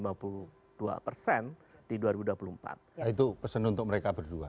nah itu pesan untuk mereka berdua